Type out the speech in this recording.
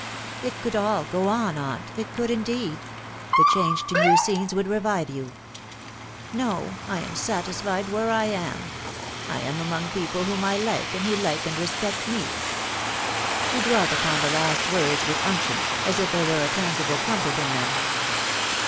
" It could all go on, aunt ; it could indeed. The change to new scenes would revive you," " No. I am satisfied where I am. I am among people whom I like, and who like and respect me." She dwelt upon the last words with unction, as if there were tangible comfort in them.